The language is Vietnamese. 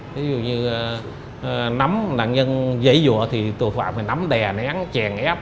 ví dụ như nắm nạn nhân dễ dụa thì tội phạm phải nắm đè nén chèn ép